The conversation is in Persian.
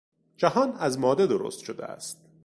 جهان از ماده درست شده است.